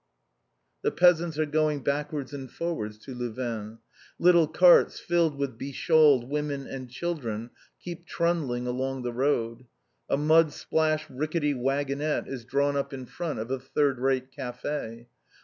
The peasants are going backwards and forwards to Louvain. Little carts, filled with beshawled women and children, keep trundling along the road. A mud splashed rickety waggonette is drawn up in front of a third rate café.